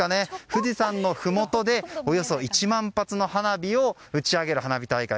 富士山のふもとでおよそ１万発の花火を打ち上げる花火大会。